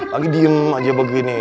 lagi diem aja begini